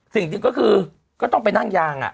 สิ่งที่ก็คือก็ต้องไปนั่งยางอ่ะ